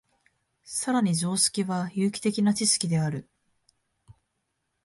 更に常識は有機的な知識である。